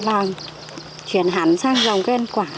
vâng chuyển hẳn sang trồng cây ăn quả